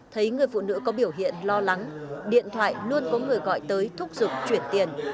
thấy người phụ nữ có biểu hiện lo lắng điện thoại luôn có người gọi tới thúc giục chuyển tiền